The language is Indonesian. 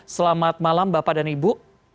selamat malam bapak dan ibu